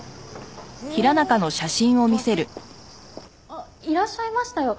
あっいらっしゃいましたよ。